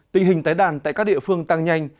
tình hình tái đàn tại các địa phương tăng nhanh